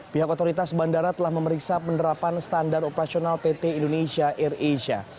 pihak otoritas bandara telah memeriksa penerapan standar operasional pt indonesia air asia